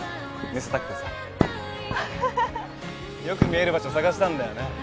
よく見える場所探したんだよね。